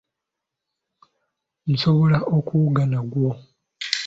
Nsobola okuwuga nagwo.